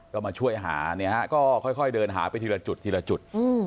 ก็มาช่วยหาเนี่ยฮะก็ค่อยเดินหาไปทีละจุดทีละจุด